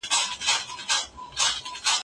ټولنیز بدلون د خلکو غوښتنو ته ځواب ورکوي.